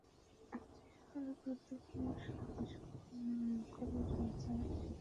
এটি শহরের গুরুত্বপূর্ণ সড়ক প্রদক্ষিণ করে রাজা শ্রীনাথ ক্লাব মাঠে শেষ হয়।